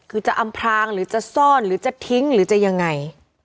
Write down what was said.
คือจะอำพรางหรือจะซ่อนหรือจะทิ้งหรือจะยังไง